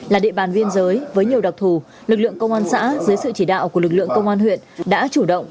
là địa bàn biên giới với nhiều đặc thù lực lượng công an xã dưới sự chỉ đạo của lực lượng công an huyện đã chủ động